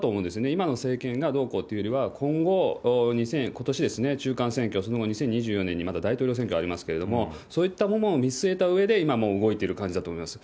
今の政権がどうこうというよりは、今後、ことしですね、中間選挙、その後、２０２４年にまた大統領選挙ありますけれども、そういったものを見据えたうえで、今もう動いてる感じだと思います。